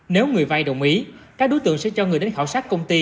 nếu người vay đồng ý các đối tượng sẽ cho người đến khảo sát công ty